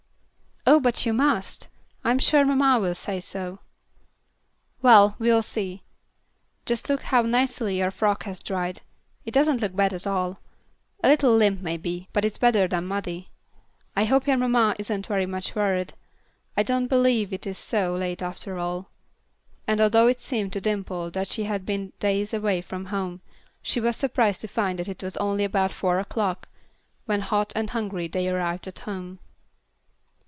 "Oh, but you must. I'm sure mamma will say so." "Well, we'll see. Just look how nicely your frock has dried. It doesn't look bad at all. A little limp maybe, but it's better that than muddy. I hope your mamma isn't very much worried. I don't believe it is so late after all." And although it seemed to Dimple that she had been days away from home, she was surprised to find that it was only about four o'clock, when hot and hungry they arrived at home.